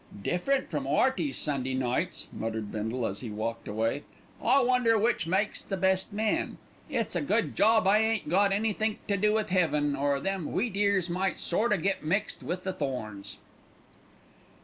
"Different from 'Earty's Sunday nights," muttered Bindle, as he walked away. "I wonder which makes the best men. It's a good job I ain't got anythink to do with 'eaven, or them wheat ears might sort o' get mixed wi' the thorns."